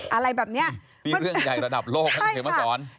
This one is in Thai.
โอ้โฮมีเรื่องใหญ่ระดับโลกเห็นมาสอนอะไรแบบนี้